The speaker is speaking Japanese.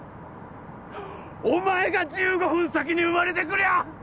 お前が１５分先に生まれてくりゃ